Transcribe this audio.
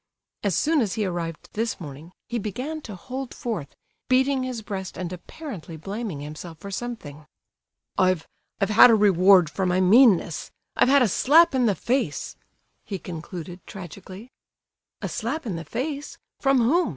As soon as he arrived this morning, he began to hold forth, beating his breast and apparently blaming himself for something. "I've—I've had a reward for my meanness—I've had a slap in the face," he concluded, tragically. "A slap in the face? From whom?